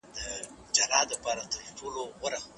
په قلم خط لیکل د پرمختګ د کچي معلومولو وسیله ده.